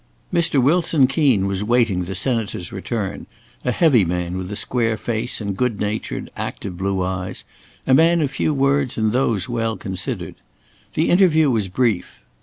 Mr. Wilson Keen was waiting the Senator's return, a heavy man with a square face, and good natured, active blue eyes; a man of few words and those well considered. The interview was brief.